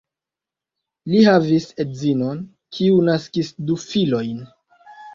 Li havis edzinon, kiu naskis du filojn.